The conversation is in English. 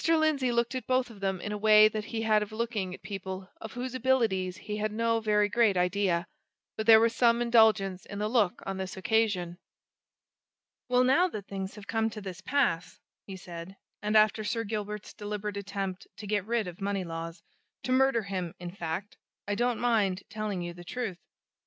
Lindsey looked at both of them in a way that he had of looking at people of whose abilities he had no very great idea but there was some indulgence in the look on this occasion. "Well, now that things have come to this pass," he said, "and after Sir Gilbert's deliberate attempt to get rid of Moneylaws to murder him, in fact I don't mind telling you the truth.